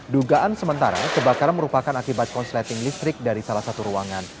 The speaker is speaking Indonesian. dugaan sementara kebakaran merupakan akibat konsleting listrik dari salah satu ruangan